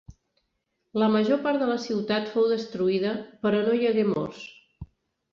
La major part de la ciutat fou destruïda, però no hi hagué morts.